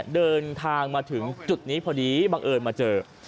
เดินทางมาถึงจุดนี้พอดีบังเอิญมาเจอ